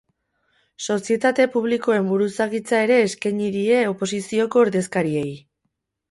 Sozietate publikoen buruzagitza ere eskaini die oposizioko ordezkariei.